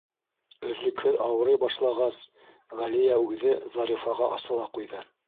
Өҙлөкһөҙ ауырый башлағас, Ғәлиә үҙе Зарифаға асыла ҡуйҙы: